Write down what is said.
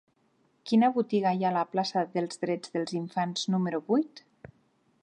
Quina botiga hi ha a la plaça dels Drets dels Infants número vuit?